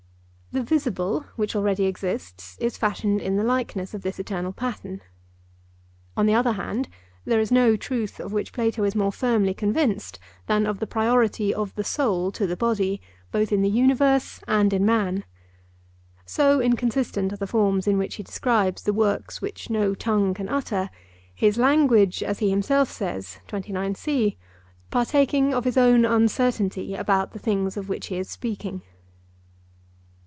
The visible, which already exists, is fashioned in the likeness of this eternal pattern. On the other hand, there is no truth of which Plato is more firmly convinced than of the priority of the soul to the body, both in the universe and in man. So inconsistent are the forms in which he describes the works which no tongue can utter—his language, as he himself says, partaking of his own uncertainty about the things of which he is speaking.